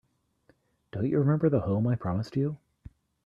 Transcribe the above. Don't you remember the home I promised you?